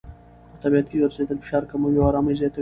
په طبیعت کې ګرځېدل فشار کموي او آرامۍ زیاتوي.